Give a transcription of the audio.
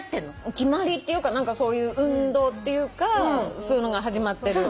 決まりっていうかそういう運動っていうかそういうのが始まってる。